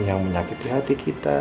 yang menyakiti hati kita